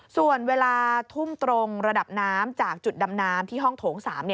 ส่วนเวลาทุ่มตรงระดับน้ำจากจุดดำน้ำที่ห้องโถง๓